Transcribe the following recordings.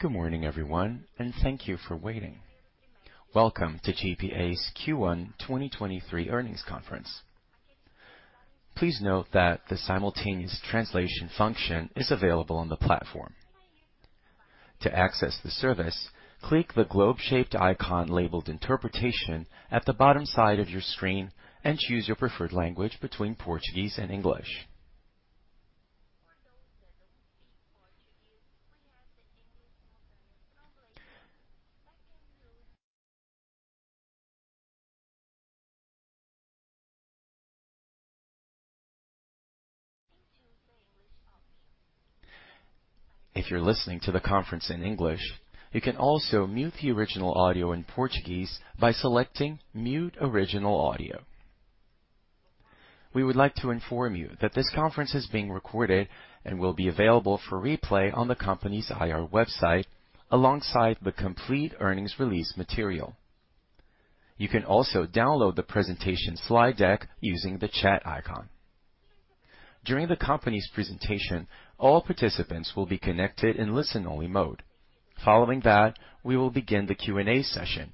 Good morning, everyone. Thank you for waiting. Welcome to GPA's Q1 2023 earnings conference. Please note that the simultaneous translation function is available on the platform. To access the service, click the globe-shaped icon labeled Interpretation at the bottom side of your screen and choose your preferred language between Portuguese and English. For those that don't speak Portuguese, we have the English simultaneous translation. By clicking, please choose the English option. If you're listening to the conference in English, you can also mute the original audio in Portuguese by selecting Mute Original Audio. We would like to inform you that this conference is being recorded and will be available for replay on the company's IR website alongside the complete earnings release material. You can also download the presentation slide deck using the chat icon. During the company's presentation, all participants will be connected in listen-only mode. Following that, we will begin the Q&A session.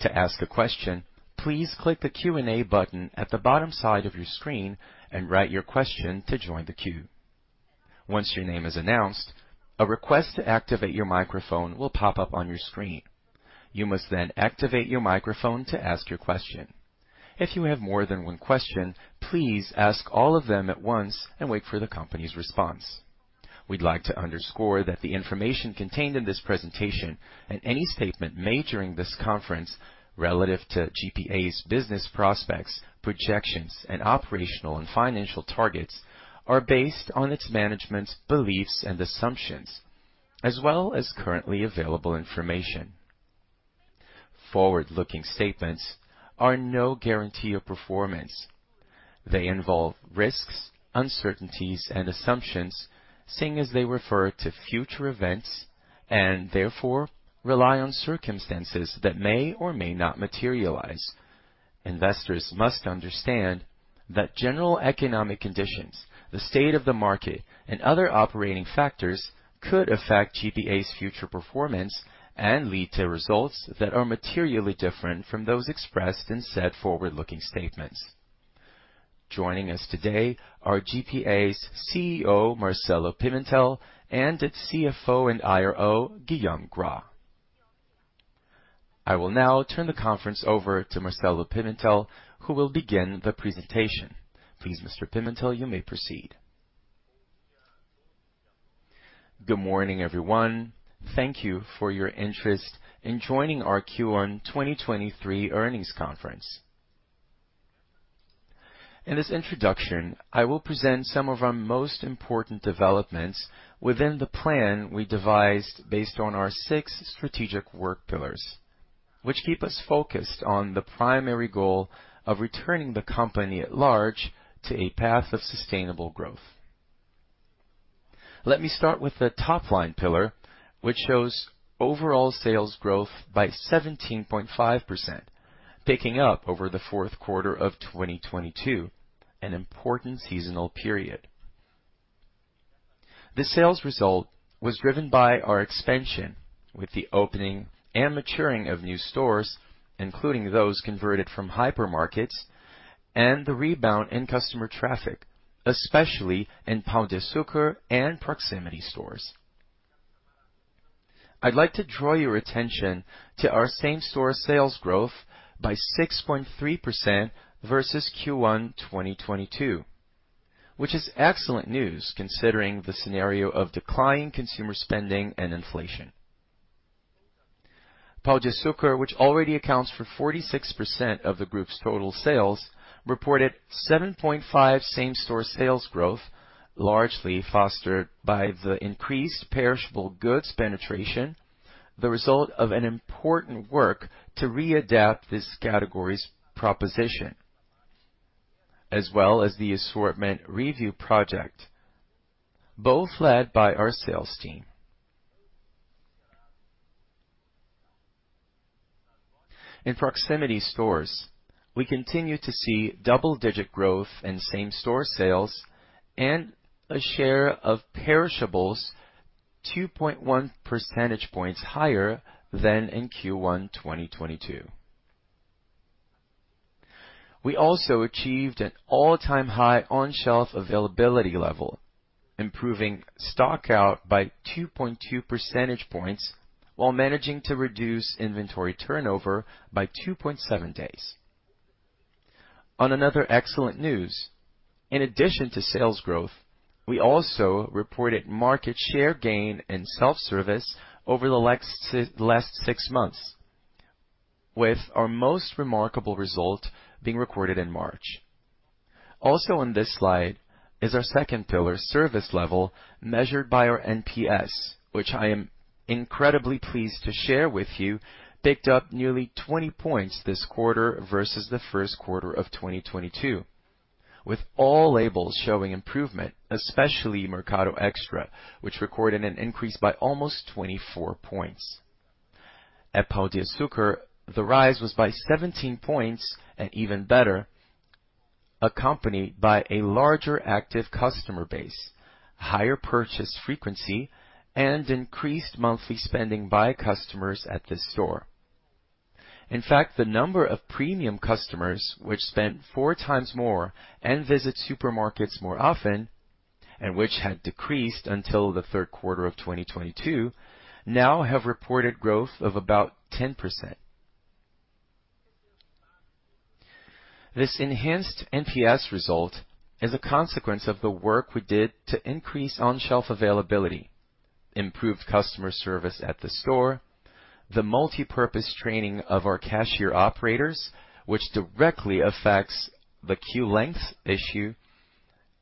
To ask a question, please click the Q&A button at the bottom side of your screen and write your question to join the queue. Once your name is announced, a request to activate your microphone will pop up on your screen. You must then activate your microphone to ask your question. If you have more than one question, please ask all of them at once and wait for the company's response. We'd like to underscore that the information contained in this presentation and any statement made during this conference relative to GPA's business prospects, projections, and operational and financial targets are based on its management's beliefs and assumptions as well as currently available information. Forward-looking statements are no guarantee of performance. They involve risks, uncertainties, and assumptions, seeing as they refer to future events and therefore rely on circumstances that may or may not materialize. Investors must understand that general economic conditions, the state of the market, and other operating factors could affect GPA's future performance and lead to results that are materially different from those expressed in said forward-looking statements. Joining us today are GPA's CEO, Marcelo Pimentel, and its CFO and IRO, Guillaume Gras. I will now turn the conference over to Marcelo Pimentel, who will begin the presentation. Please, Mr. Pimentel, you may proceed. Good morning, everyone. Thank you for your interest in joining our Q1 2023 earnings conference. In this introduction, I will present some of our most important developments within the plan we devised based on our six strategic work pillars, which keep us focused on the primary goal of returning the company at large to a path of sustainable growth. Let me start with the top-line pillar, which shows overall sales growth by 17.5%, picking up over the fourth quarter of 2022, an important seasonal period. The sales result was driven by our expansion with the opening and maturing of new stores, including those converted from hypermarkets and the rebound in customer traffic, especially in Pão de Açúcar and Proximity stores. I'd like to draw your attention to our same-store sales growth by 6.3% versus Q1 2022, which is excellent news considering the scenario of declining consumer spending and inflation. Pão de Açúcar, which already accounts for 46% of the group's total sales, reported 7.5% same-store sales growth, largely fostered by the increased perishable goods penetration, the result of an important work to readapt this category's proposition, as well as the assortment review project, both led by our sales team. In Proximity stores, we continue to see double-digit growth in same-store sales and a share of perishables 2.1 percentage points higher than in Q1 2022. We also achieved an all-time high on-shelf availability level, improving stock out by 2.2 percentage points while managing to reduce inventory turnover by 2.7 days. On another excellent news, in addition to sales growth, we also reported market share gain in self-service over the last six months, with our most remarkable result being recorded in March. Also on this slide, is our second pillar, service level, measured by our NPS, which I am incredibly pleased to share with you picked up nearly 20 points this quarter versus the first quarter of 2022, with all labels showing improvement, especially Mercado Extra, which recorded an increase by almost 24 points. At Pão de Açúcar, the rise was by 17 points, and even better, accompanied by a larger active customer base, higher purchase frequency, and increased monthly spending by customers at the store. In fact, the number of premium customers which spent 4 times more and visit supermarkets more often, and which had decreased until the third quarter of 2022, now have reported growth of about 10%. This enhanced NPS result is a consequence of the work we did to increase on-shelf availability, improve customer service at the store, the multipurpose training of our cashier operators, which directly affects the queue length issue,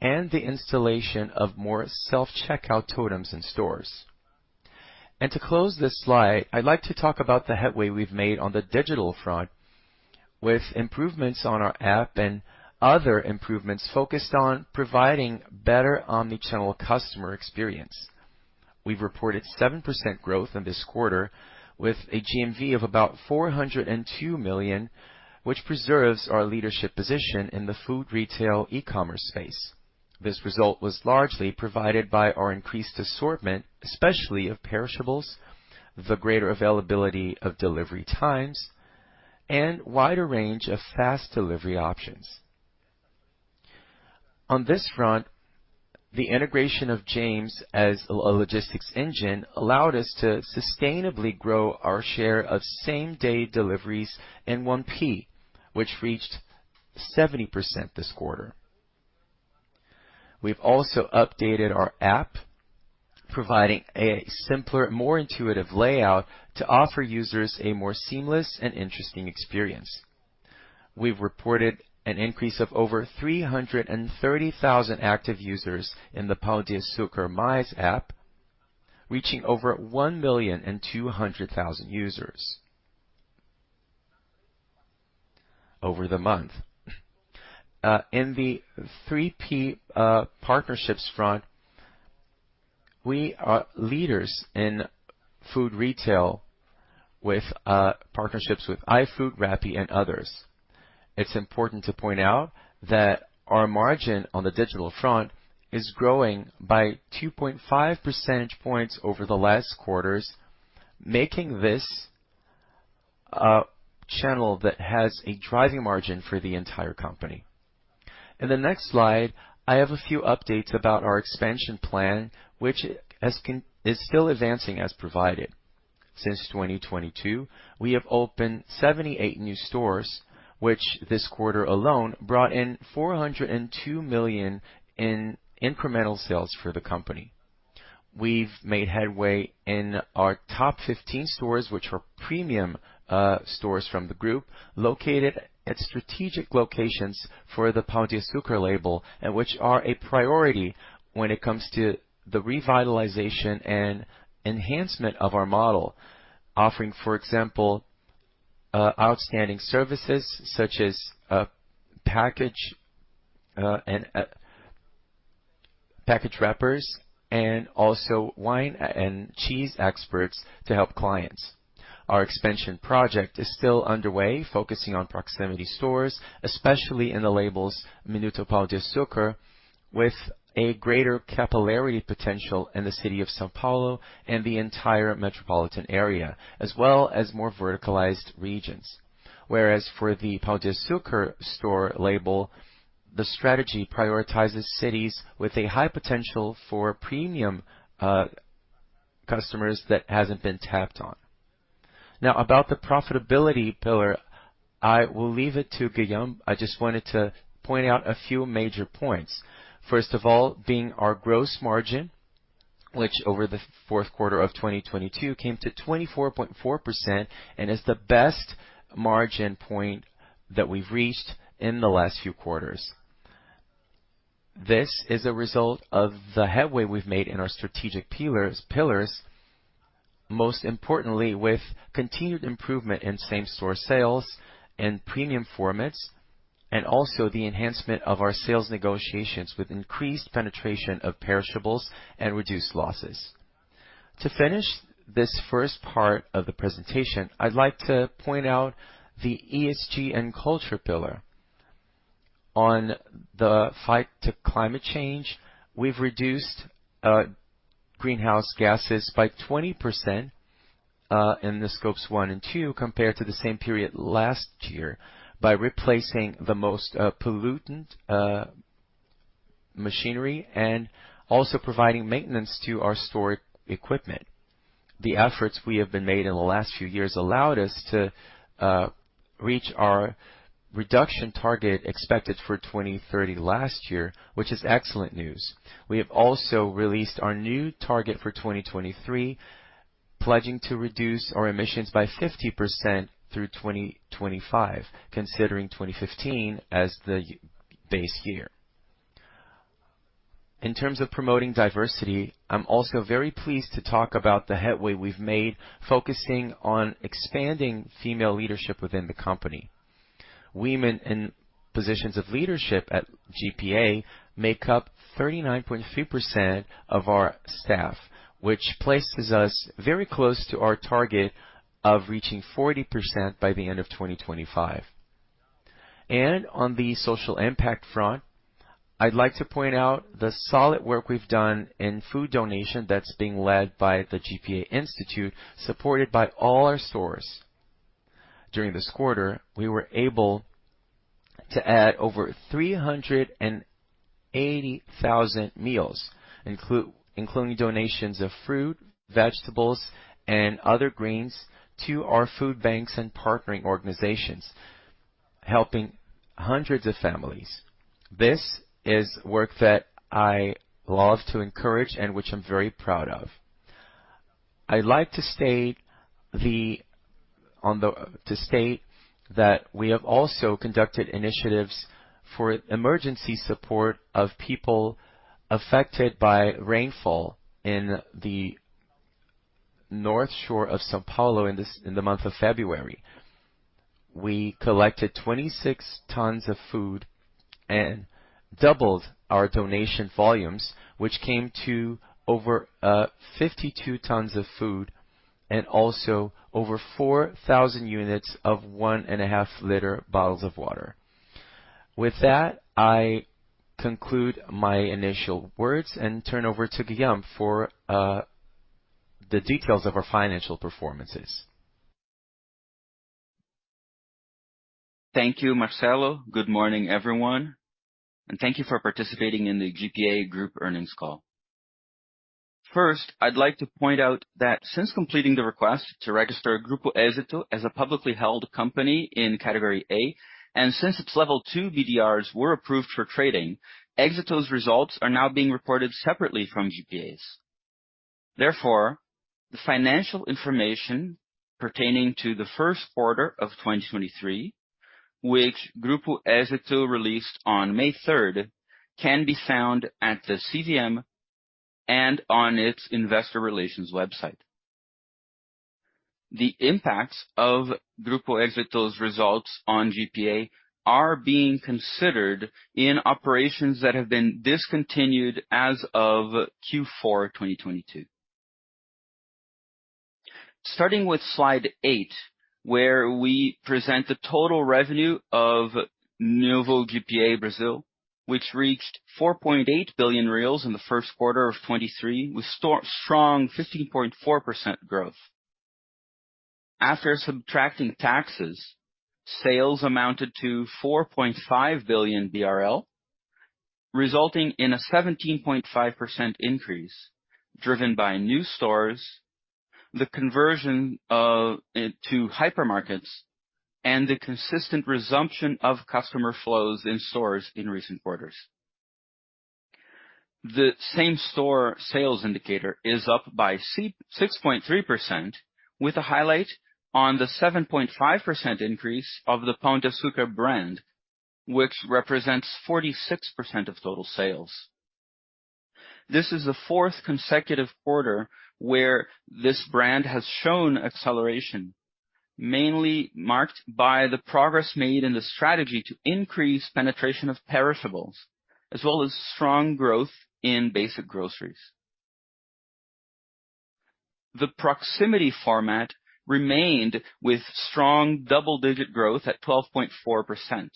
and the installation of more self-checkout totems in stores. To close this slide, I'd like to talk about the headway we've made on the digital front with improvements on our app and other improvements focused on providing better omni-channel customer experience. We've reported 7% growth in this quarter with a GMV of about 402 million, which preserves our leadership position in the food retail e-commerce space. This result was largely provided by our increased assortment, especially of perishables, the greater availability of delivery times, and wider range of fast delivery options. On this front, the integration of James as a logistics engine allowed us to sustainably grow our share of same-day deliveries in 1P, which reached 70% this quarter. We've also updated our app, providing a simpler, more intuitive layout to offer users a more seamless and interesting experience. We've reported an increase of over 330,000 active users in the Pão de Açúcar Mais app, reaching over 1,200,000 users over the month. In the 3P partnerships front, we are leaders in food retail with partnerships with iFood, Rappi, and others. It's important to point out that our margin on the digital front is growing by 2.5 percentage points over the last quarters, making this a channel that has a driving margin for the entire company. In the next slide, I have a few updates about our expansion plan, which is still advancing as provided. Since 2022, we have opened 78 new stores, which this quarter alone brought in 402 million in incremental sales for the company. We've made headway in our top 15 stores, which were premium stores from the group located at strategic locations for the Pão de Açúcar label and which are a priority when it comes to the revitalization and enhancement of our model. Offering, for example, outstanding services such as package and package wrappers and also wine and cheese experts to help clients. Our expansion project is still underway, focusing on proximity stores, especially in the labels Minuto Pão de Açúcar, with a greater capillarity potential in the city of São Paulo and the entire metropolitan area, as well as more verticalized regions. For the Pão de Açúcar store label, the strategy prioritizes cities with a high potential for premium customers that hasn't been tapped on. About the profitability pillar, I will leave it to Guillaume. I just wanted to point out a few major points. Being our gross margin, which over the fourth quarter of 2022 came to 24.4% and is the best margin point that we've reached in the last few quarters. This is a result of the headway we've made in our strategic pillars, most importantly with continued improvement in same store sales and premium formats, and also the enhancement of our sales negotiations with increased penetration of perishables and reduced losses. To finish this first part of the presentation, I'd like to point out the ESG and culture pillar. On the fight to climate change, we've reduced greenhouse gases by 20%, in the scopes one and two compared to the same period last year by replacing the most pollutant machinery and also providing maintenance to our store equipment. The efforts we have been made in the last few years allowed us to reach our reduction target expected for 2030 last year, which is excellent news. We have also released our new target for 2023, pledging to reduce our emissions by 50% through 2025, considering 2015 as the base year. In terms of promoting diversity, I'm also very pleased to talk about the headway we've made, focusing on expanding female leadership within the company. Women in positions of leadership at GPA make up 39.3% of our staff, which places us very close to our target of reaching 40% by the end of 2025. On the social impact front, I'd like to point out the solid work we've done in food donation that's being led by the Instituto GPA, supported by all our stores. During this quarter, we were able to add over 380,000 meals, including donations of fruit, vegetables, and other greens to our food banks and partnering organizations, helping hundreds of families. This is work that I love to encourage and which I'm very proud of. I'd like to state that we have also conducted initiatives for emergency support of people affected by rainfall in the north shore of São Paulo in the month of February. We collected 26 tons of food and doubled our donation volumes, which came to over 52 tons of food and also over 4,000 units of one and a half liter bottles of water. With that, I conclude my initial words and turn over to Guillaume for the details of our financial performances. Thank you, Marcelo. Good morning, everyone, and thank you for participating in the GPA earnings call. First, I'd like to point out that since completing the request to register Grupo Éxito as a publicly held company in category A, and since its level 2 BDRs were approved for trading, Éxito's results are now being reported separately from GPA's. The financial information pertaining to the first quarter of 2023, which Grupo Éxito released on May 3rd, can be found at the CVM and on its investor relations website. The impacts of Grupo Éxito's results on GPA are being considered in operations that have been discontinued as of Q4 2022. Starting with slide eight, where we present the total revenue of Novo GPA Brasil, which reached 4.8 billion reais in the first quarter of 2023, with strong 15.4% growth. After subtracting taxes, sales amounted to 4.5 billion BRL, resulting in a 17.5% increase driven by new stores, the conversion of two hypermarkets, and the consistent resumption of customer flows in stores in recent quarters. The same-store sales indicator is up by 6.3%, with a highlight on the 7.5% increase of the Pão de Açúcar brand, which represents 46% of total sales. This is the fourth consecutive quarter where this brand has shown acceleration, mainly marked by the progress made in the strategy to increase penetration of perishables, as well as strong growth in basic groceries. The proximity format remained with strong double-digit growth at 12.4%.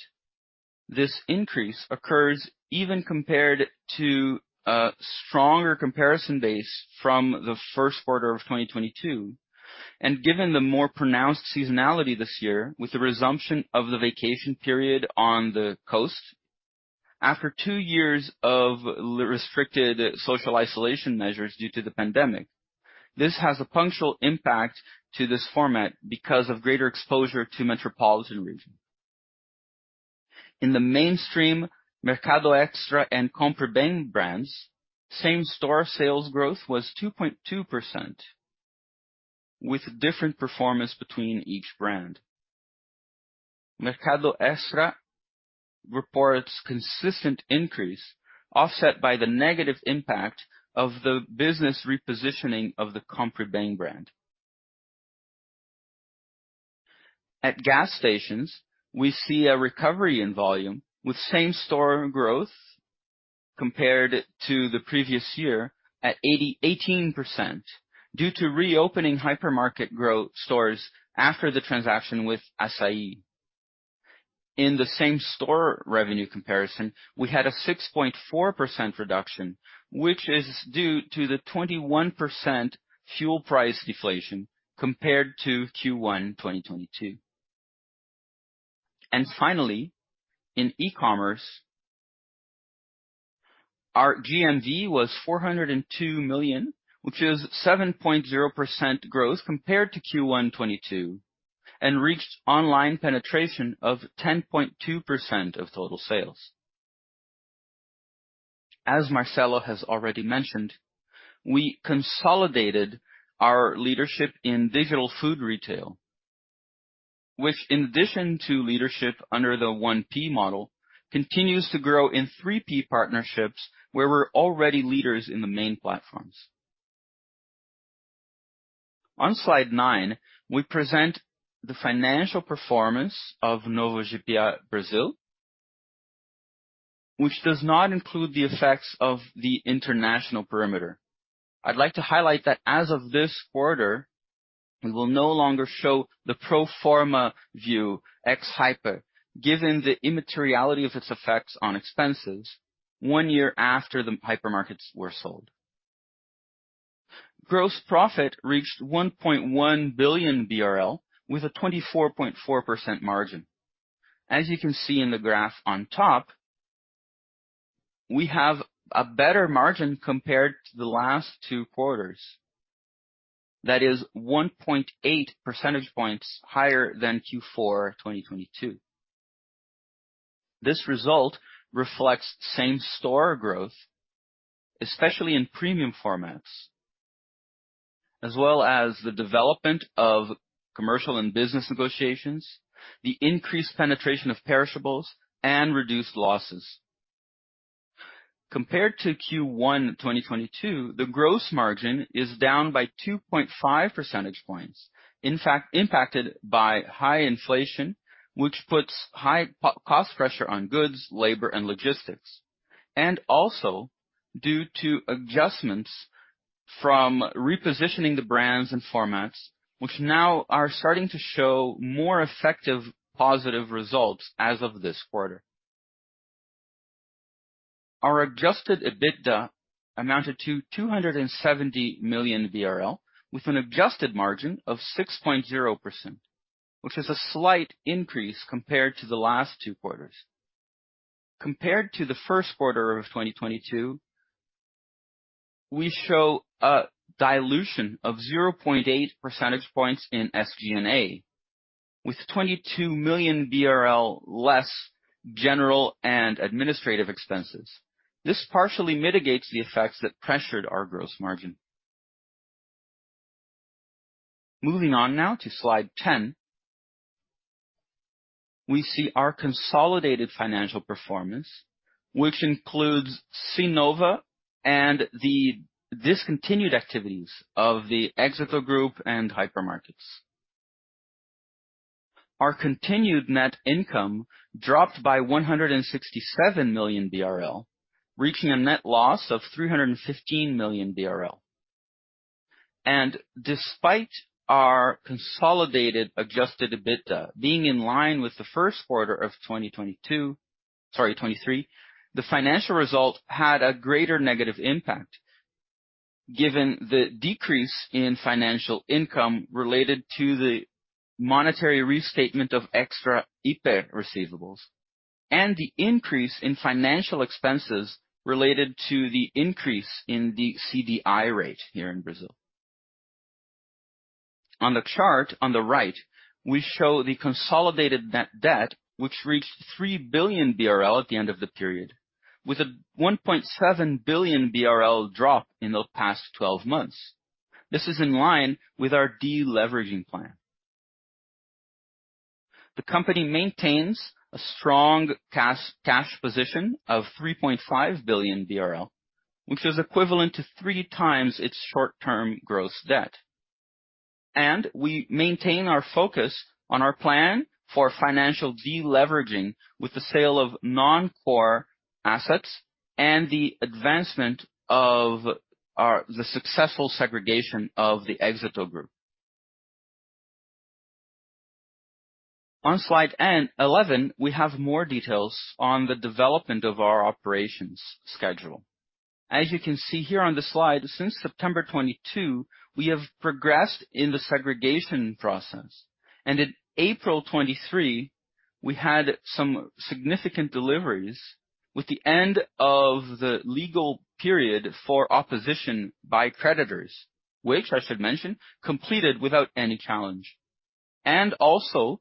This increase occurs even compared to a stronger comparison base from the first quarter of 2022, and given the more pronounced seasonality this year with the resumption of the vacation period on the coast after two years of restricted social isolation measures due to the pandemic. This has a punctual impact to this format because of greater exposure to metropolitan region. In the mainstream Mercado Extra and Compre Bem brands, same-store sales growth was 2.2% with different performance between each brand. Mercado Extra reports consistent increase offset by the negative impact of the business repositioning of the Compre Bem brand. At gas stations, we see a recovery in volume with same-store growth compared to the previous year at 18% due to reopening hypermarket stores after the transaction with Assaí. In the same-store revenue comparison, we had a 6.4% reduction, which is due to the 21% fuel price deflation compared to Q1, 2022. Finally, in e-commerce, our GMV was 402 million, which is 7.0% growth compared to Q1, 2022, and reached online penetration of 10.2% of total sales. As Marcelo has already mentioned, we consolidated our leadership in digital food retail, which in addition to leadership under the 1P model, continues to grow in 3P partnerships where we're already leaders in the main platforms. On slide nine, we present the financial performance of Novo GPA Brasil, which does not include the effects of the international perimeter. I'd like to highlight that as of this quarter, we will no longer show the pro forma view ex Hiper, given the immateriality of its effects on expenses one year after the hypermarkets were sold. Gross profit reached 1.1 billion BRL with a 24.4% margin. As you can see in the graph on top, we have a better margin compared to the last two quarters. That is 1.8 percentage points higher than Q4 2022. This result reflects same-store growth, especially in premium formats, as well as the development of commercial and business negotiations, the increased penetration of perishables, and reduced losses. Compared to Q1 2022, the gross margin is down by 2.5 percentage points. In fact, impacted by high inflation, which puts high cost pressure on goods, labor, and logistics. Also due to adjustments from repositioning the brands and formats which now are starting to show more effective positive results as of this quarter. Our adjusted EBITDA amounted to 270 million BRL, with an adjusted margin of 6.0%, which is a slight increase compared to the last two quarters. Compared to the first quarter of 2022, we show a dilution of 0.8 percentage points in SG&A, with 22 million BRL less general and administrative expenses. This partially mitigates the effects that pressured our gross margin. Moving on now to slide 10, we see our consolidated financial performance, which includes Cnova and the discontinued activities of the Grupo Éxito and hypermarkets. Our continued net income dropped by 167 million BRL, reaching a net loss of 315 million BRL. Despite our consolidated adjusted EBITDA being in line with the first quarter of 2022, sorry, 2023, the financial result had a greater negative impact, given the decrease in financial income related to the monetary restatement of ex Hiper receivables and the increase in financial expenses related to the increase in the CDI rate here in Brazil. On the chart on the right, we show the consolidated net debt, which reached 3 billion BRL at the end of the period, with a 1.7 billion BRL drop in the past 12 months. This is in line with our de-leveraging plan. The company maintains a strong cash position of 3.5 billion BRL, which is equivalent to 3x its short-term gross debt. We maintain our focus on our plan for financial de-leveraging with the sale of non-core assets and the advancement of our successful segregation of the Grupo Éxito. On slide 11, we have more details on the development of our operations schedule. As you can see here on the slide, since September 2022, we have progressed in the segregation process. In April 2023, we had some significant deliveries with the end of the legal period for opposition by creditors, which I should mention completed without any challenge. Also,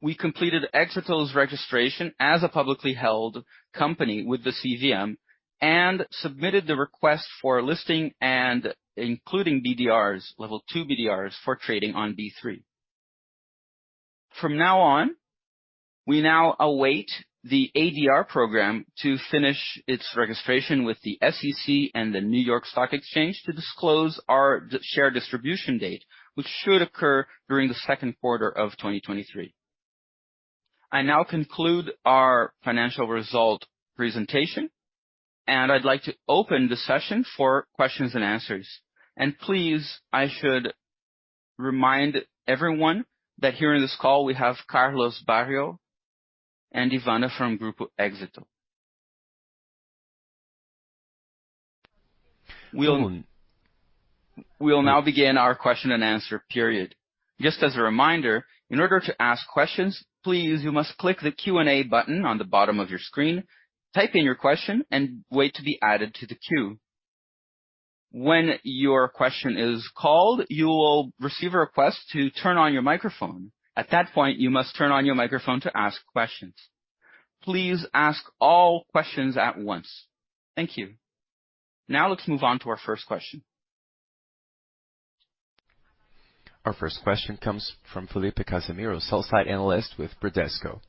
we completed Grupo Éxito's registration as a publicly held company with the CVM and submitted the request for listing and including BDRs, level two BDRs, for trading on B3. From now on, we now await the ADR program to finish its registration with the SEC and the New York Stock Exchange to disclose our share distribution date, which should occur during the second quarter of 2023. I now conclude our financial result presentation. I'd like to open the session for questions and answers. Please, I should remind everyone that here in this call we have Carlos Barrio and Ivana from Grupo Éxito. We'll now begin our question and answer period. Just as a reminder, in order to ask questions, please, you must click the Q&A button on the bottom of your screen, type in your question, and wait to be added to the queue. When your question is called, you will receive a request to turn on your microphone. At that point, you must turn on your microphone to ask questions. Please ask all questions at once. Thank you. Let's move on to our first question. Our first question comes from Felipe Cassimiro, sell-side analyst with Bradesco.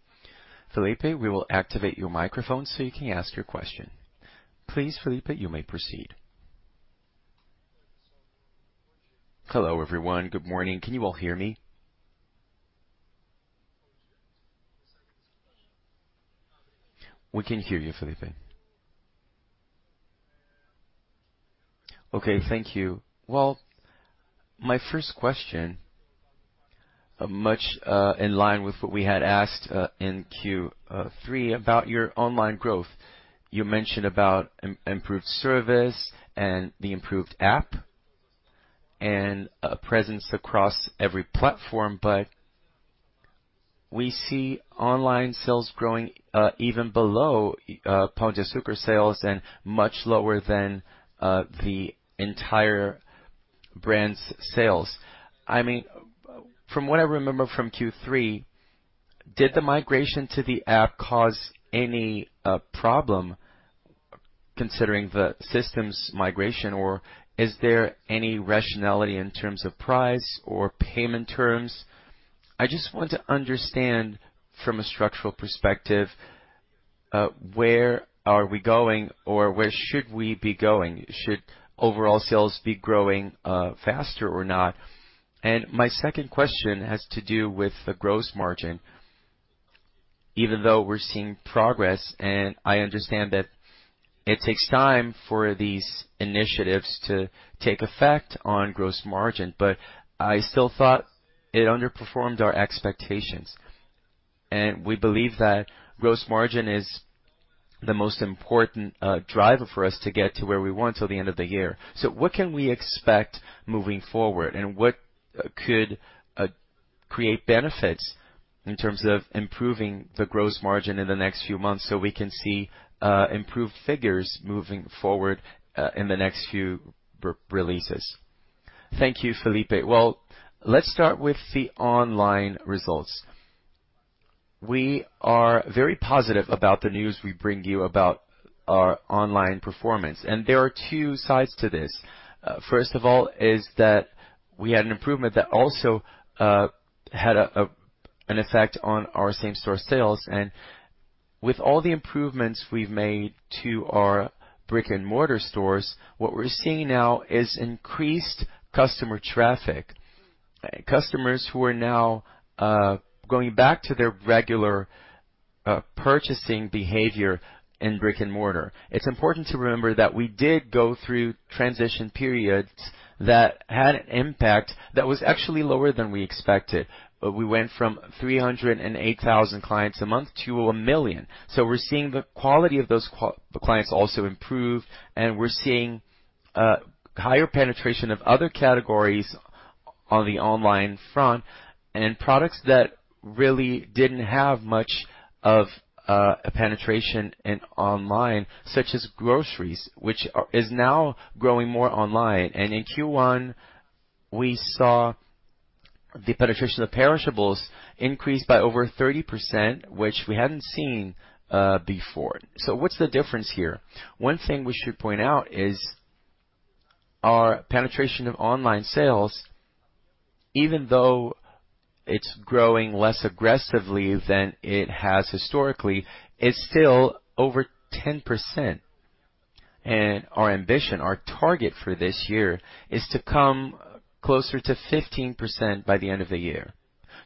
Felipe, we will activate your microphone so you can ask your question. Please, Felipe, you may proceed. Hello, everyone. Good morning. Can you all hear me? We can hear you, Felipe. Okay. Thank you. Well, my first question, much in line with what we had asked in Q3 about your online growth. You mentioned about improved service and the improved app and a presence across every platform, but we see online sales growing even below Ponto Super sales and much lower than the entire brand's sales. I mean, from what I remember from Q3, did the migration to the app cause any problem considering the systems migration, or is there any rationality in terms of price or payment terms? I just want to understand from a structural perspective, where are we going or where should we be going? Should overall sales be growing faster or not? My second question has to do with the gross margin. Even though we're seeing progress, and I understand that it takes time for these initiatives to take effect on gross margin, but I still thought it underperformed our expectations. We believe that gross margin is the most important driver for us to get to where we want till the end of the year. What can we expect moving forward, and what could create benefits in terms of improving the gross margin in the next few months so we can see improved figures moving forward in the next few re-releases? Thank you, Felipe. Well, let's start with the online results. We are very positive about the news we bring you about our online performance. There are two sides to this. First of all is that we had an improvement that also had an effect on our same store sales. With all the improvements we've made to our brick-and-mortar stores, what we're seeing now is increased customer traffic. Customers who are now going back to their regular purchasing behavior in brick-and-mortar. It's important to remember that we did go through transition periods that had an impact that was actually lower than we expected. We went from 308,000 clients a month to 1 million. We're seeing the quality of those clients also improve, and we're seeing higher penetration of other categories on the online front and products that really didn't have much of a penetration in online, such as groceries, which is now growing more online. In Q1, we saw the penetration of perishables increase by over 30%, which we hadn't seen before. What's the difference here? One thing we should point out is our penetration of online sales, even though it's growing less aggressively than it has historically, is still over 10%. Our ambition, our target for this year is to come closer to 15% by the end of the year.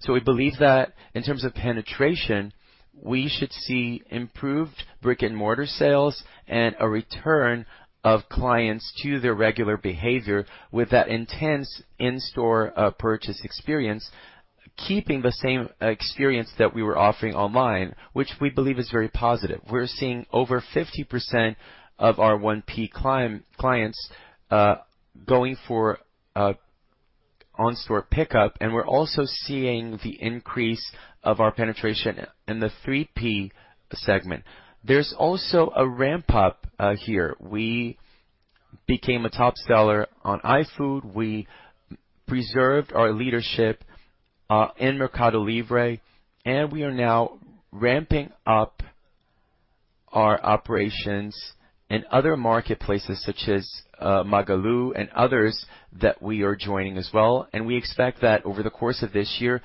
We believe that in terms of penetration, we should see improved brick-and-mortar sales and a return of clients to their regular behavior with that intense in-store purchase experience, keeping the same experience that we were offering online, which we believe is very positive. We're seeing over 50% of our 1P clients going for on store pickup, and we're also seeing the increase of our penetration in the 3P segment. There's also a ramp up here. We became a top seller on iFood. We preserved our leadership in Mercado Livre, and we are now ramping up our operations in other marketplaces such as Magalu and others that we are joining as well. We expect that over the course of this year,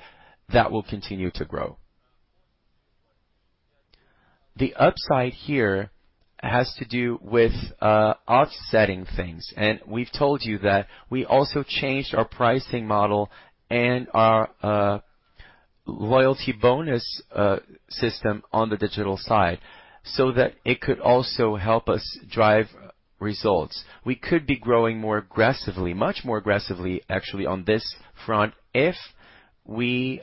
that will continue to grow. The upside here has to do with offsetting things. We've told you that we also changed our pricing model and our loyalty bonus system on the digital side so that it could also help us drive results. We could be growing more aggressively, much more aggressively actually on this front if we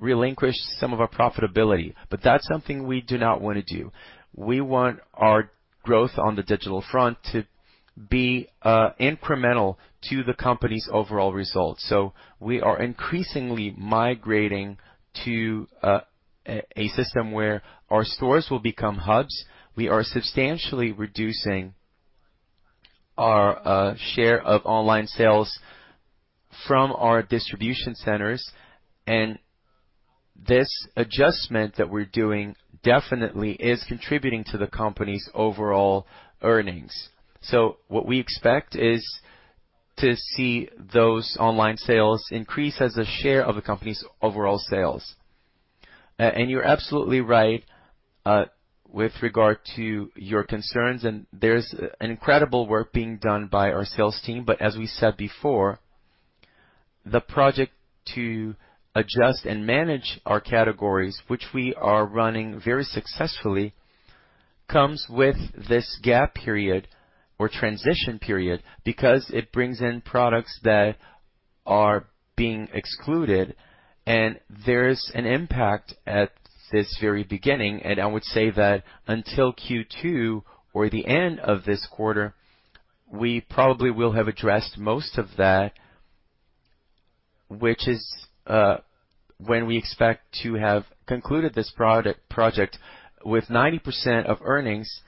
relinquish some of our profitability. That's something we do not wanna do. We want our growth on the digital front to be incremental to the company's overall results. We are increasingly migrating to a system where our stores will become hubs. We are substantially reducing our share of online sales from our distribution centers. This adjustment that we're doing definitely is contributing to the company's overall earnings. What we expect is to see those online sales increase as a share of the company's overall sales. You're absolutely right, with regard to your concerns, and there's an incredible work being done by our sales team. As we said before, the project to adjust and manage our categories, which we are running very successfully, comes with this gap period or transition period because it brings in products that are being excluded, and there is an impact at this very beginning. I would say that until Q2 or the end of this quarter, we probably will have addressed most of that, which is when we expect to have concluded this project with 90% of earnings,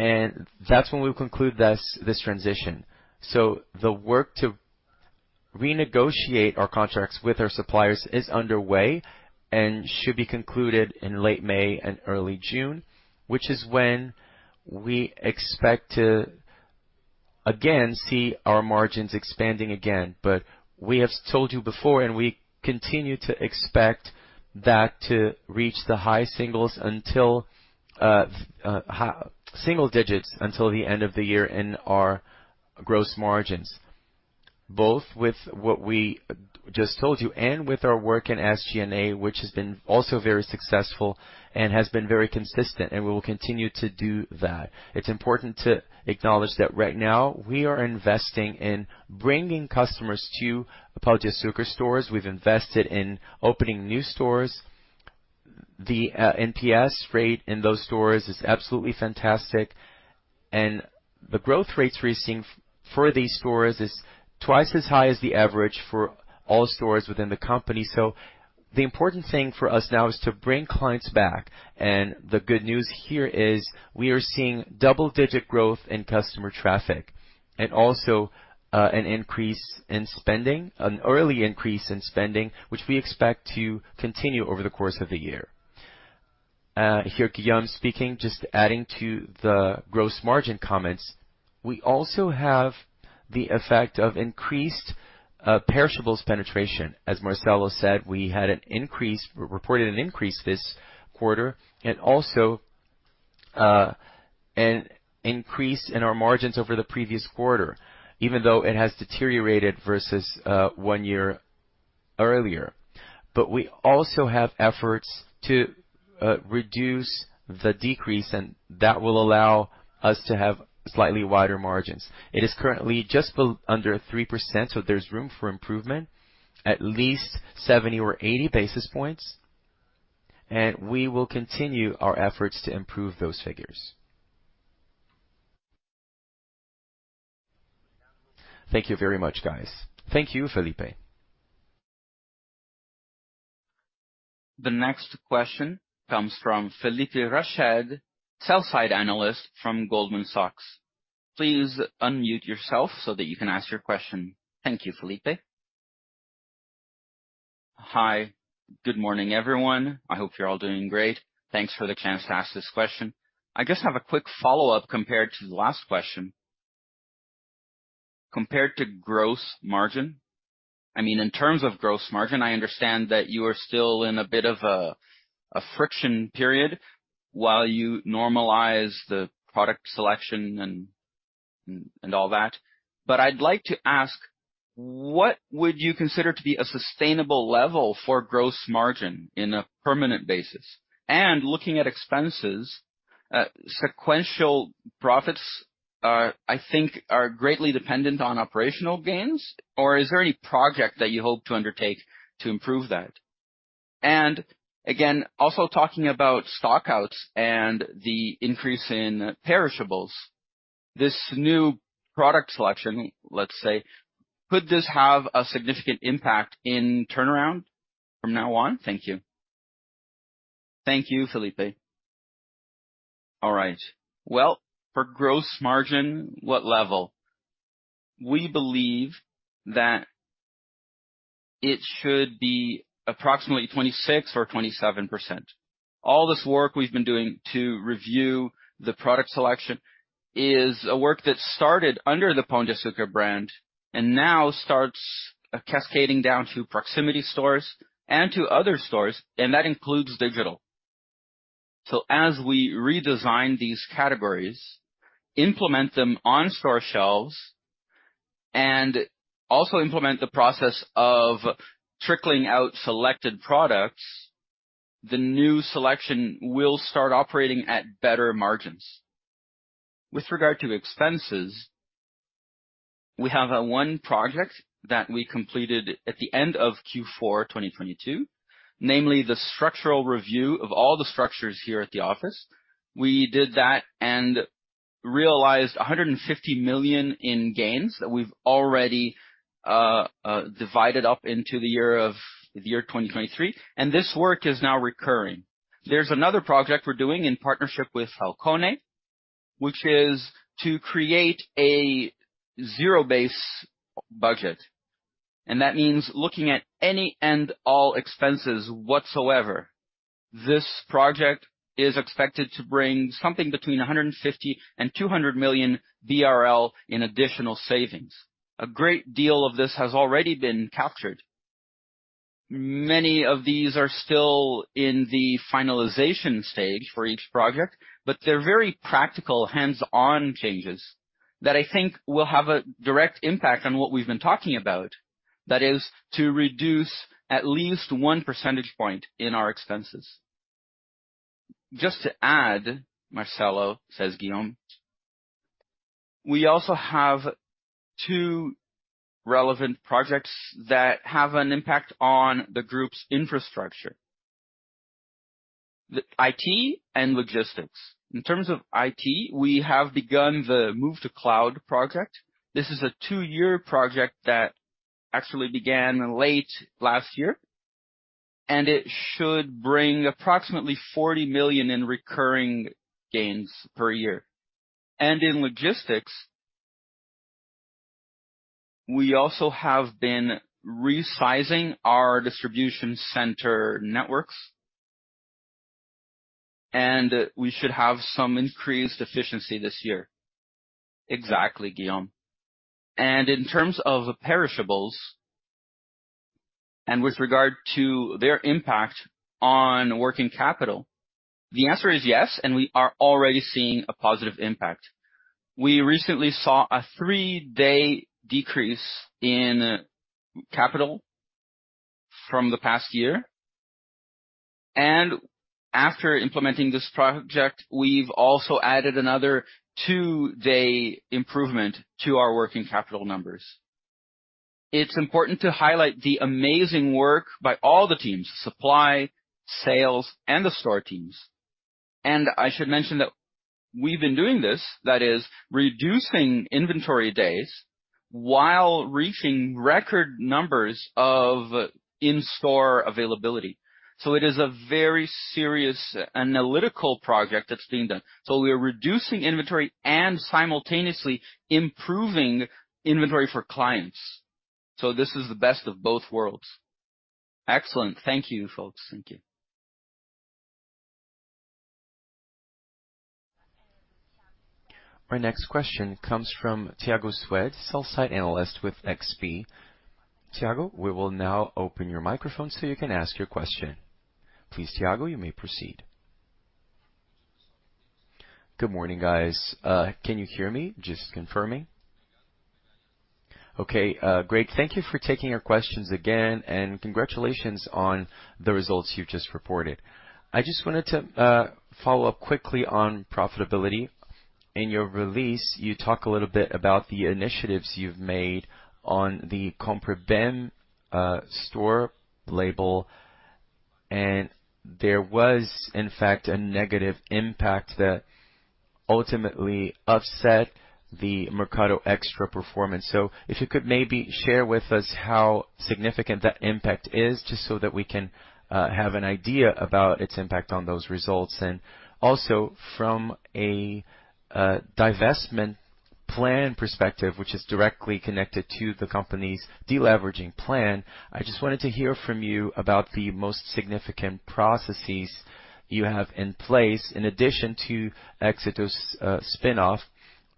and that's when we conclude this transition. The work to renegotiate our contracts with our suppliers is underway and should be concluded in late May and early June, which is when we expect to again see our margins expanding again. We have told you before, and we continue to expect that to reach the high singles until single digits until the end of the year in our gross margins, both with what we just told you and with our work in SG&A, which has been also very successful and has been very consistent, and we will continue to do that. It's important to acknowledge that right now we are investing in bringing customers to Pão de Açúcar stores. We've invested in opening new stores. The NPS rate in those stores is absolutely fantastic, and the growth rates we're seeing for these stores is twice as high as the average for all stores within the company. The important thing for us now is to bring clients back. The good news here is we are seeing double-digit growth in customer traffic and also an increase in spending, an early increase in spending, which we expect to continue over the course of the year. Here Guillaume speaking, just adding to the gross margin comments. We also have the effect of increased perishables penetration. As Marcelo said, we reported an increase this quarter and also an increase in our margins over the previous quarter, even though it has deteriorated versus one year earlier. We also have efforts to reduce the decrease, and that will allow us to have slightly wider margins. It is currently just under 3%, so there's room for improvement, at least 70 basis points or 80 basis points, and we will continue our efforts to improve those figures. Thank you very much, guys. Thank you, Felipe. The next question comes from Felipe Rached, sell-side analyst from Goldman Sachs. Please unmute yourself so that you can ask your question. Thank you, Felipe. Hi. Good morning, everyone. I hope you're all doing great. Thanks for the chance to ask this question. I just have a quick follow-up compared to the last question. Compared to gross margin. I mean, in terms of gross margin, I understand that you are still in a bit of a friction period while you normalize the product selection and all that. I'd like to ask, what would you consider to be a sustainable level for gross margin in a permanent basis? Looking at expenses, sequential profits I think are greatly dependent on operational gains or is there any project that you hope to undertake to improve that? Again, also talking about stock outs and the increase in perishables, this new product selection, let's say, could this have a significant impact in turnaround from now on? Thank you. Thank you, Felipe. All right. For gross margin, what level? We believe that it should be approximately 26% or 27%. All this work we've been doing to review the product selection is a work that started under the Pão de Açúcar brand and now starts cascading down to proximity stores and to other stores, and that includes digital. As we redesign these categories, implement them on store shelves, and also implement the process of trickling out selected products, the new selection will start operating at better margins. With regard to expenses, we have one project that we completed at the end of Q4 2022, namely the structural review of all the structures here at the office. We did that and realized 150 million in gains that we've already divided up into the year of the year 2023, and this work is now recurring. There's another project we're doing in partnership with Falconi, which is to create a zero-based budget, and that means looking at any and all expenses whatsoever. This project is expected to bring something between 150 million and 200 million BRL in additional savings. A great deal of this has already been captured. Many of these are still in the finalization stage for each project, but they're very practical hands-on changes that I think will have a direct impact on what we've been talking about. That is to reduce at least 1 percentage point in our expenses. Just to add, Marcelo, says Guillaume. We also have two relevant projects that have an impact on the group's infrastructure. The IT and logistics. In terms of IT, we have begun the move to cloud project. This is a two-year project that actually began late last year. It should bring approximately 40 million in recurring gains per year. In logistics, we also have been resizing our distribution center networks. We should have some increased efficiency this year. Exactly, Guillaume. In terms of perishables and with regard to their impact on working capital, the answer is yes, and we are already seeing a positive impact. We recently saw a three-day decrease in capital from the past year, and after implementing this project, we've also added another two-day improvement to our working capital numbers. It's important to highlight the amazing work by all the teams, supply, sales, and the store teams. I should mention that we've been doing this, that is reducing inventory days while reaching record numbers of in-store availability. It is a very serious analytical project that's being done. We are reducing inventory and simultaneously improving inventory for clients. This is the best of both worlds. Excellent. Thank you, folks. Thank you. Our next question comes from Thiago Suedt, sell-side analyst with XP. Thiago, we will now open your microphone so you can ask your question. Please, Thiago, you may proceed. Good morning, guys. Can you hear me? Just confirming. Okay. Great. Thank you for taking your questions again, congratulations on the results you've just reported. I just wanted to follow up quickly on profitability. In your release, you talk a little bit about the initiatives you've made on the Compre Bem store label, and there was, in fact, a negative impact that ultimately upset the Mercado Extra performance. If you could maybe share with us how significant that impact is, just so that we can have an idea about its impact on those results. Also from a divestment plan perspective, which is directly connected to the company's deleveraging plan, I just wanted to hear from you about the most significant processes you have in place in addition to Éxito's spin-off,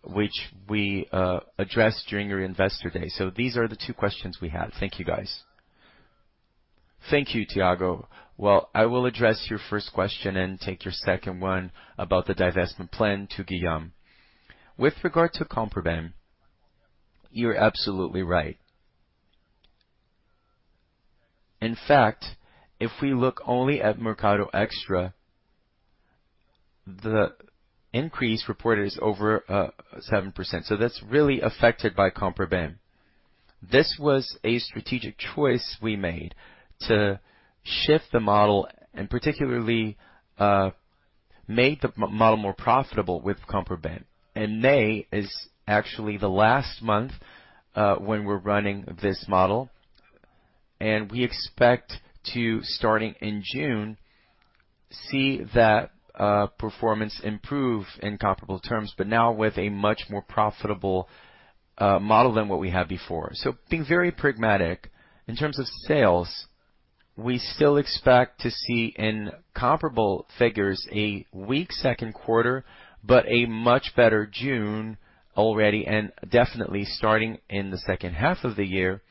which we addressed during your investor day. These are the two questions we had. Thank you guys. Thank you, Thiago. Well, I will address your first question and take your second one about the divestment plan to Guillaume. With regard to Compre Bem, you're absolutely right. In fact, if we look only at Mercado Extra, the increase reported is over 7%, so that's really affected by Compre Bem. This was a strategic choice we made to shift the model and particularly make the model more profitable with Compre Bem. May is actually the last month when we're running this model, and we expect to, starting in June, see that performance improve in comparable terms, but now with a much more profitable model than what we had before. Being very pragmatic in terms of sales, we still expect to see in comparable figures a weak second quarter, but a much better June already, and definitely starting in the second half of the year,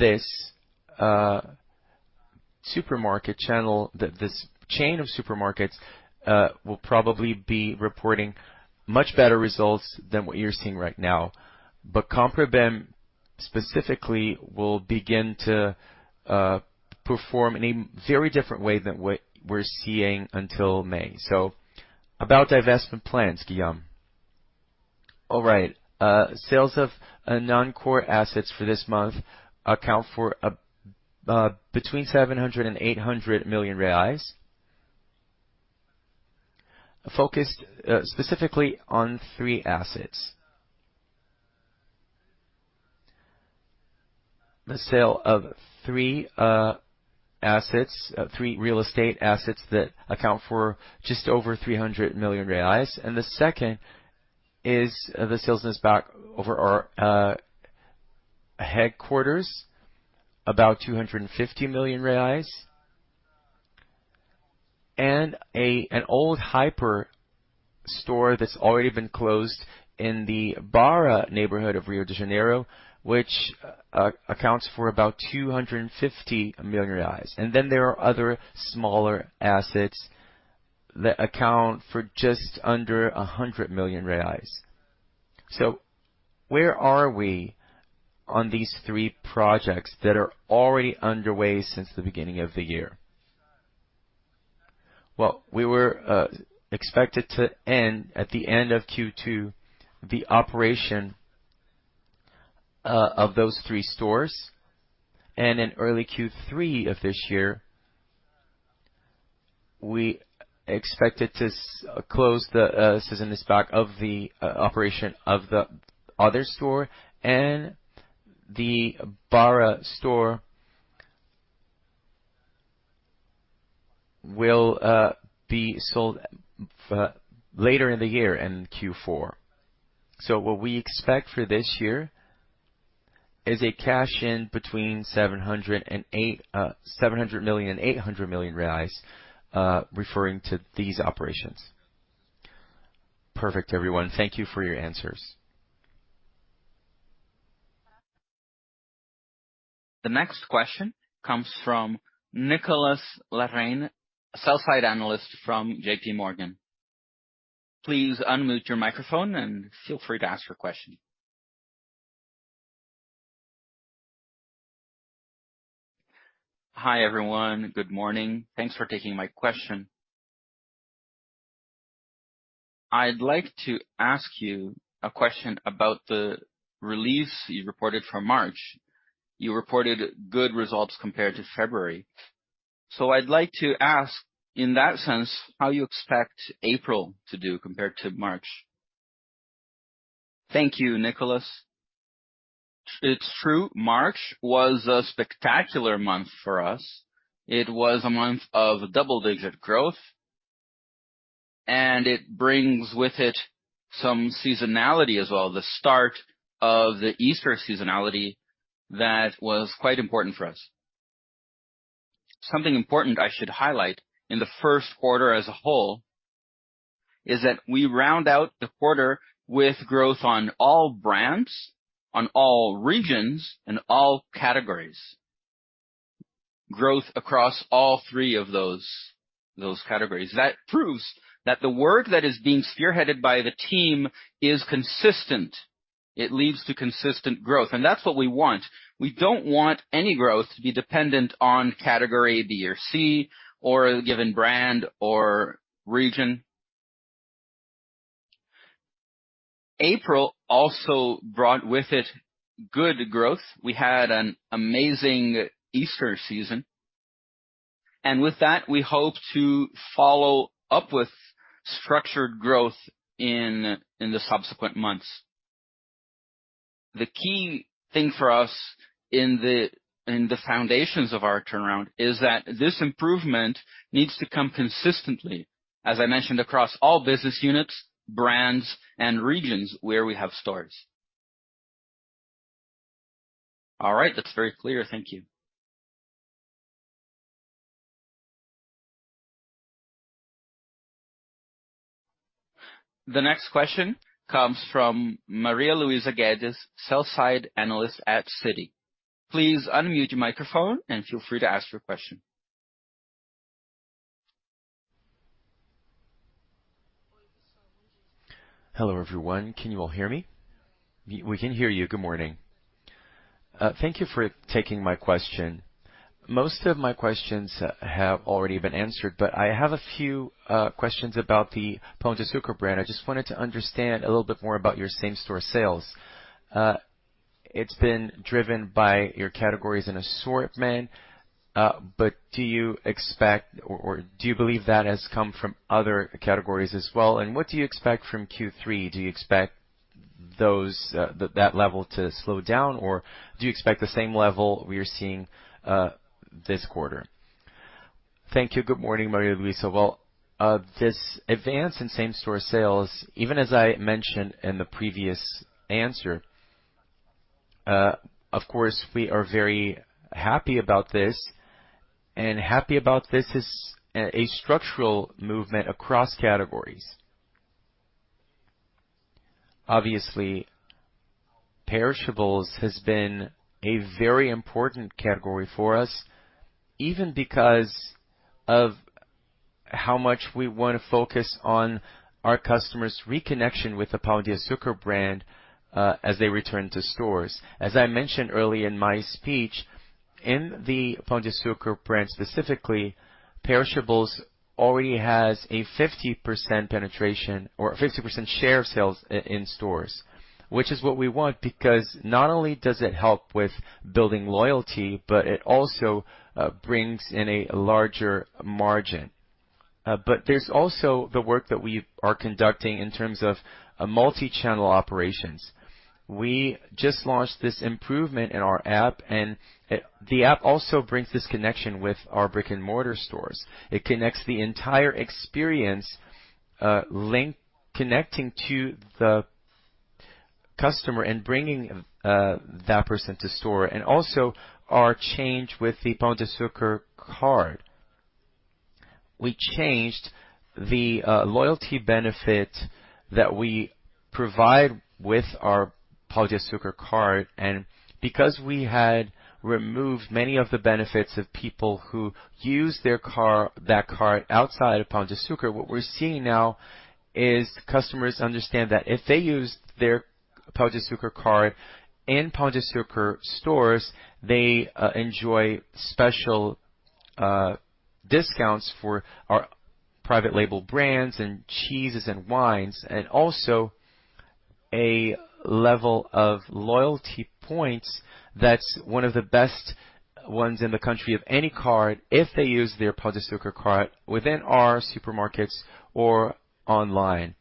this supermarket channel, this chain of supermarkets will probably be reporting much better results than what you're seeing right now. Compre Bem specifically will begin to perform in a very different way than what we're seeing until May. About divestment plans, Guillaume. All right. Sales of non-core assets for this month account for between BRL 700 million-BRL 800 million. Focused specifically on three assets. The sale of three assets, three real estate assets that account for just over 300 million reais. The second is the sales back over our headquarters, about 250 million reais. An old Hiper store that's already been closed in the Barra neighborhood of Rio de Janeiro, which accounts for about 250 million reais. There are other smaller assets that account for just under 100 million reais. Where are we on these three projects that are already underway since the beginning of the year? We were expected to end at the end of Q2, the operation of those three stores. In early Q3 of this year, we expected to close the season this back of the operation of the other store and the Barra store will be sold for later in the year in Q4. What we expect for this year is a cash in between 700 million and 800 million reais, referring to these operations. Perfect, everyone. Thank you for your answers. The next question comes from Nicolas Larrain, a sell-side analyst from JP Morgan. Please unmute your microphone and feel free to ask your question. Hi, everyone. Good morning. Thanks for taking my question. I'd like to ask you a question about the release you reported from March. You reported good results compared to February. I'd like to ask, in that sense, how you expect April to do compared to March. Thank you, Nicolas. It's true March was a spectacular month for us. It was a month of double-digit growth. It brings with it some seasonality as well. The start of the Easter seasonality that was quite important for us. Something important I should highlight in the first quarter as a whole is that we round out the quarter with growth on all brands, on all regions and all categories. Growth across all three of those categories. That proves that the work that is being spearheaded by the team is consistent. It leads to consistent growth. That's what we want. We don't want any growth to be dependent on category B or C, or a given brand or region. April also brought with it good growth. We had an amazing Easter season. With that, we hope to follow up with structured growth in the subsequent months. The key thing for us in the foundations of our turnaround is that this improvement needs to come consistently, as I mentioned, across all business units, brands, and regions where we have stores. All right. That's very clear. Thank you. The next question comes from Maria Luisa Guedes, sell-side analyst at Citi. Please unmute your microphone and feel free to ask your question. Hello, everyone. Can you all hear me? We can hear you. Good morning. Thank you for taking my question. Most of my questions have already been answered, but I have a few questions about the Pão de Açúcar brand. I just wanted to understand a little bit more about your same-store sales. It's been driven by your categories and assortment. Do you expect or do you believe that has come from other categories as well? What do you expect from Q3? Do you expect those that level to slow down, or do you expect the same level we are seeing this quarter? Thank you. Good morning, [Maria Luisa. Well, this advance in same-store sales, even as I mentioned in the previous answer, of course, we are very happy about this, and happy about this is a structural movement across categories. Obviously, perishables has been a very important category for us, even because of how much we want to focus on our customers reconnection with the Pão de Açúcar brand as they return to stores. As I mentioned earlier in my speech, in the Pão de Açúcar brand, specifically, perishables already has a 50% penetration or 50% share of sales in stores, which is what we want because not only does it help with building loyalty, but it also brings in a larger margin. There's also the work that we are conducting in terms of a multi-channel operations. We just launched this improvement in our app, and the app also brings this connection with our brick-and-mortar stores. It connects the entire experience, connecting to the customer and bringing that person to store, and also our change with the Cartão Pão de Açúcar. We changed the loyalty benefit that we provide with our Cartão Pão de Açúcar, and because we had removed many of the benefits of people who use that card outside of Pão de Açúcar, what we're seeing now is customers understand that if they use their Cartão Pão de Açúcar in Pão de Açúcar stores, they enjoy special discounts for our private label brands and cheeses and wines, and also a level of loyalty points that's one of the best ones in the country of any card if they use their Cartão Pão de Açúcar within our supermarkets or online.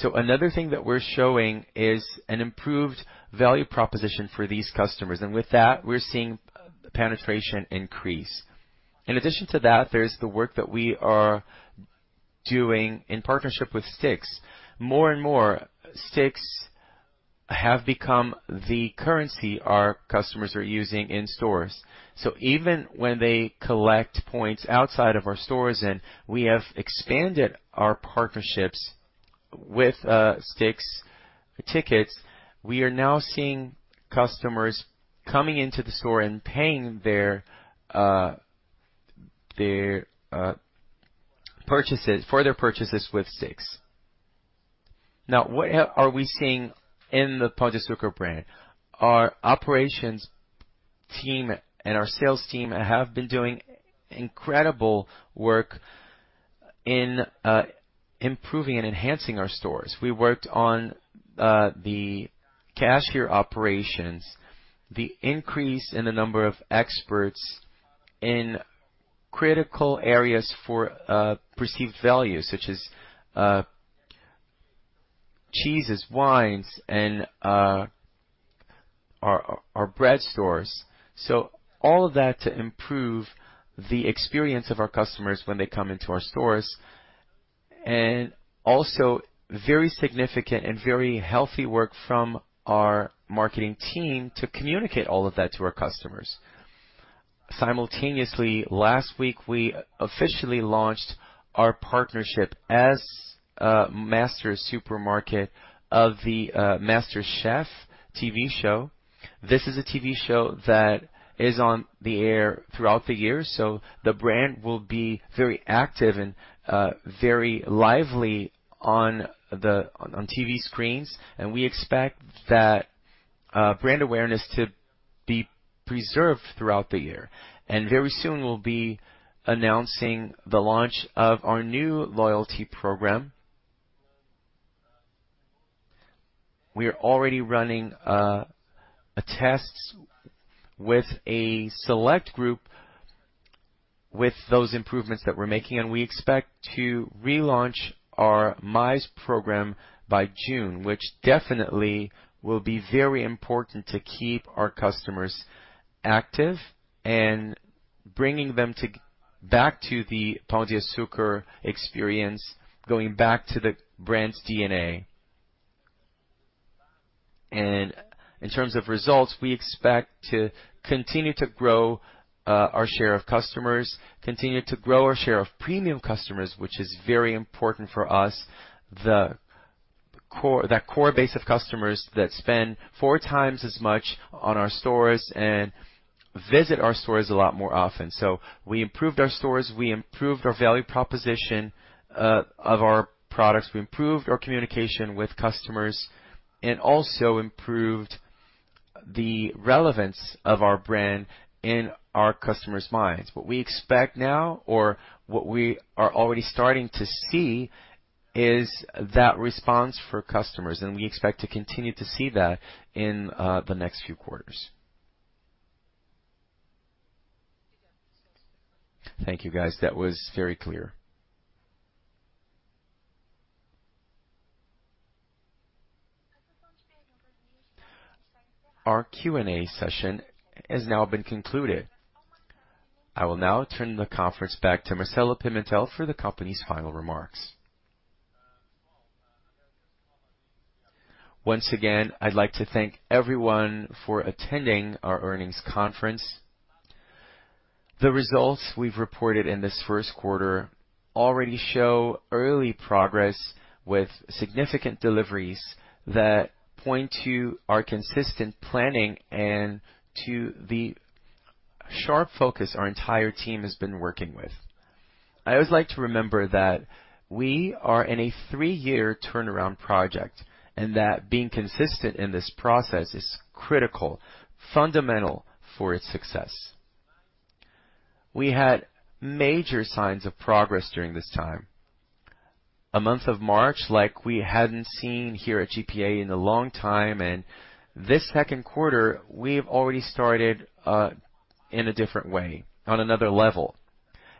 Another thing that we're showing is an improved value proposition for these customers. With that, we're seeing penetration increase. In addition to that, there's the work that we are doing in partnership with Stix. More and more Stix have become the currency our customers are using in stores. Even when they collect points outside of our stores, and we have expanded our partnerships with Stix tickets, we are now seeing customers coming into the store and paying for their purchases with Stix. What are we seeing in the Pão de Açúcar brand? Our operations team and our sales team have been doing incredible work in improving and enhancing our stores. We worked on the cashier operations, the increase in the number of experts in critical areas for perceived value, such as cheeses, wines, and our bread stores. All of that to improve the experience of our customers when they come into our stores. Also very significant and very healthy work from our marketing team to communicate all of that to our customers. Simultaneously, last week, we officially launched our partnership as a master supermarket of the MasterChef TV show. This is a TV show that is on the air throughout the year, so the brand will be very active and very lively on TV screens. We expect that brand awareness to be preserved throughout the year. Very soon, we'll be announcing the launch of our new loyalty program. We are already running tests with a select group with those improvements that we're making, and we expect to relaunch our Mais program by June, which definitely will be very important to keep our customers active and bringing them back to the Pão de Açúcar experience, going back to the brand's DNA. In terms of results, we expect to continue to grow, our share of customers, continue to grow our share of premium customers, which is very important for us. That core base of customers that spend 4 times as much on our stores and visit our stores a lot more often. We improved our stores. We improved our value proposition, of our products. We improved our communication with customers and also improved the relevance of our brand in our customers' minds. What we expect now or what we are already starting to see is that response for customers. We expect to continue to see that in the next few quarters. Thank you, guys. That was very clear. Our Q&A session has now been concluded. I will now turn the conference back to Marcelo Pimentel for the company's final remarks. Once again, I'd like to thank everyone for attending our earnings conference. The results we've reported in this first quarter already show early progress with significant deliveries that point to our consistent planning and to the sharp focus our entire team has been working with. I always like to remember that we are in a 3-year turnaround project, and that being consistent in this process is critical, fundamental for its success. We had major signs of progress during this time. A month of March like we hadn't seen here at GPA in a long time. This second quarter, we've already started in a different way, on another level.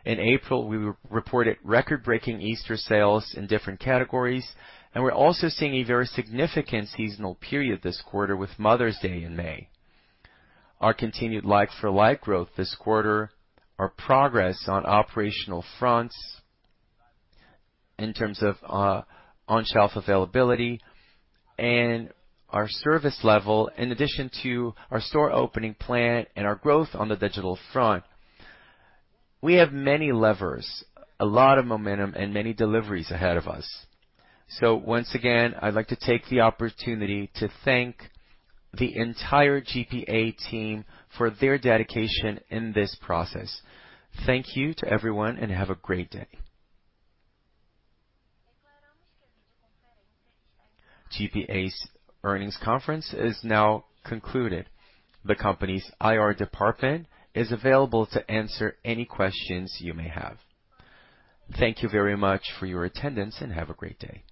In April, we reported record-breaking Easter sales in different categories, and we're also seeing a very significant seasonal period this quarter with Mother's Day in May. Our continued like-for-like growth this quarter, our progress on operational fronts in terms of on-shelf availability and our service level, in addition to our store opening plan and our growth on the digital front. We have many levers, a lot of momentum and many deliveries ahead of us. Once again, I'd like to take the opportunity to thank the entire GPA team for their dedication in this process. Thank you to everyone, and have a great day. GPA's earnings conference is now concluded. The company's IR department is available to answer any questions you may have. Thank you very much for your attendance, and have a great day.